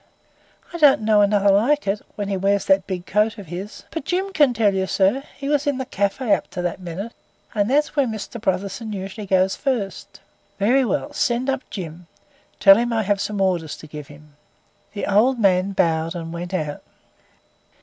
"I don't know another like it, when he wears that big coat of his. But Jim can tell you, sir. He was in the cafe up to that minute, and that's where Mr. Brotherson usually goes first." "Very well; send up Jim. Tell him I have some orders to give him." The old man bowed and went out.